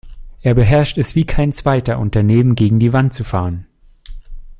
Er beherrscht es wie kein Zweiter, Unternehmen gegen die Wand zu fahren.